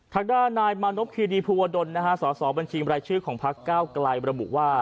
ทางด้านนายมานพีดีภูวดลสอสอบัญชีบรายชื่อของพักเก้าไกลระบุว่า